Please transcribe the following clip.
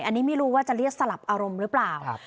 อันนี้ไม่รู้ว่าจะเรียกสลับอารมณ์หรือเปล่า